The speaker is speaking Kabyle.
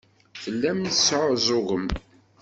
Tellam tesɛuẓẓugem.